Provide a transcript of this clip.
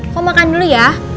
kau makan dulu ya